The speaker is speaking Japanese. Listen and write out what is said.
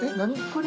これ。